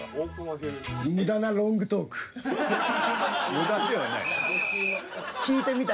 無駄ではない。